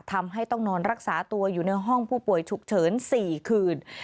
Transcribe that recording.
ทำให้ต้องนอนรักษาตัวอยู่ในห้องผู้ป่วยฉุกเฉิน๔คืน